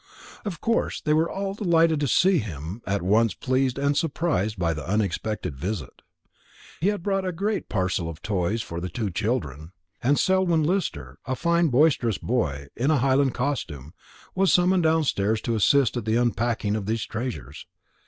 Of course they were all delighted to see him, at once pleased and surprised by the unexpected visit. He had brought a great parcel of toys for the two children; and Selwyn Lister, a fine boisterous boy in a Highland costume, was summoned downstairs to assist at the unpacking of these treasures.